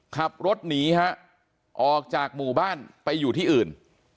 ขับรถหนีฮะออกจากหมู่บ้านไปอยู่ที่อื่น